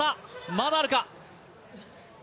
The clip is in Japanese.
まだあるか？